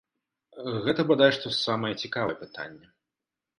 Гэта бадай што самае цікавае пытанне.